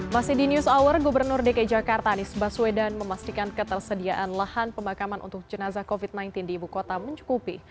masih di news hour gubernur dki jakarta anies baswedan memastikan ketersediaan lahan pemakaman untuk jenazah covid sembilan belas di ibu kota mencukupi